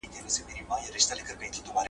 • خبره له خبري پيدا کېږي.